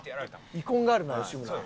遺恨があるな吉村は。